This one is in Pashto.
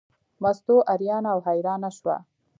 مستو اریانه او حیرانه شوه.